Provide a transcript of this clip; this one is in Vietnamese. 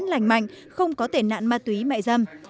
lành mạnh không có tệ nạn ma túy mại dâm